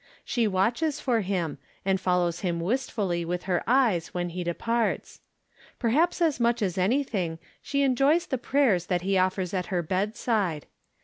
She watches for him, and follows him wistfulty with her eyes when he departs. Perhaps as much as anything, she enjoys the prayers that he offers at her bedside.